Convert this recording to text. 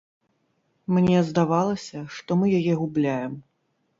Мне здавалася, што мы яе губляем.